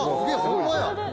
ホンマや。